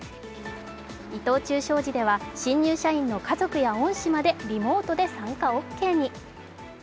伊藤忠商事では新入社員の家族や恩師までリモートで参加オーケーに。